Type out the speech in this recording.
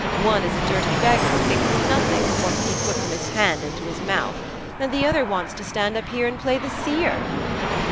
One is a dirty beggar, who thinks of nothing but what he can put from his hand into his mouth, and the other wants to stand up here and play the seer.'